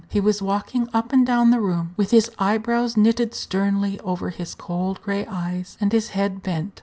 He was walking up and down the room, with his eyebrows knitted sternly over his cold gray eyes, and his head bent.